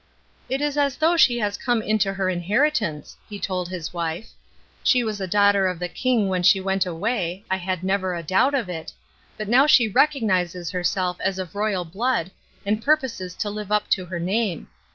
''It is as though she had come into her in heritance," he told his wife. "She was a daughter of the king when she went away, I had never a doubt of it, but now she recognizes herself as of royal blood and proposes to live up to her name.